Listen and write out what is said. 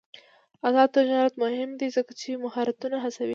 آزاد تجارت مهم دی ځکه چې مهارتونه هڅوي.